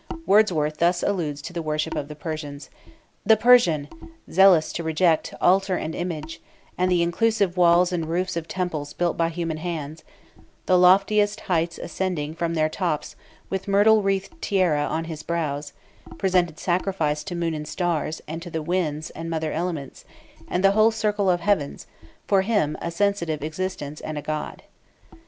Wordsworth thus alludes to the worship of the Persians: "... the Persian, zealous to reject Altar and Image, and the inclusive walls And roofs of temples built by human hands, The loftiest heights ascending, from their tops, With myrtle wreathed Tiara on his brows, Presented sacrifice to Moon and Stars, And to the Winds and mother Elements, And the whole circle of the Heavens, for him A sensitive existence and a God."